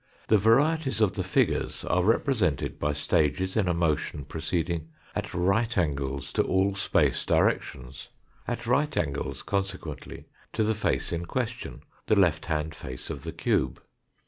The varieties of the figures are represented by stages in a motion proceeding at right angles to all space directions, at right angles consequently to the face in question, the left hand face of the cube.